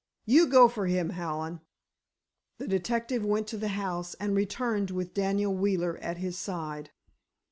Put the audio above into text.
You go for him, Hallen." The detective went to the house, and returned with Daniel Wheeler at his side.